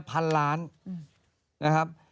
พันล้านนะครับ